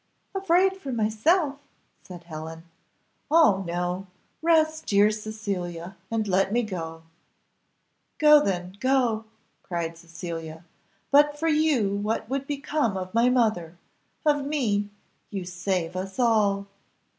"Afraid for myself?" said Helen; "oh no rest, dear Cecilia, and let me go." "Go then, go," cried Cecilia; "but for you what would become of my mother! of me! you save us all."